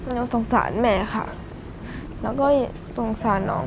แล้วสงสารแม่ค่ะแล้วก็สงสารน้อง